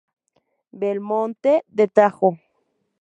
Belmonte de Tajo.